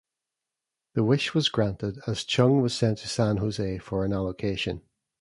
The wish was granted, as Chung was sent to San Jose for an allocation.